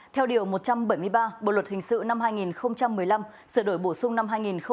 theo điều một trăm bảy mươi ba bộ luật hình sự năm hai nghìn một mươi năm sửa đổi bổ sung năm hai nghìn một mươi bảy